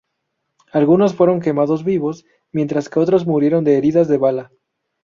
Algunos fueron quemados vivos, mientras que otros murieron de heridas de bala.